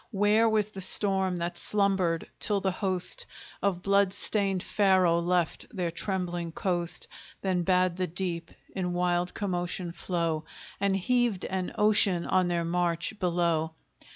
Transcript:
Where was the storm that slumbered till the host Of blood stained Pharaoh left their trembling coast; Then bade the deep in wild commotion flow, And heaved an ocean on their march below?